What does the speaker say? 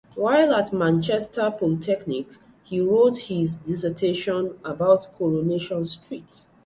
While at Manchester Polytechnic, he wrote his dissertation about Coronation Street.